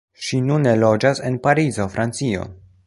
Ŝi nune loĝas en Parizo, Francio.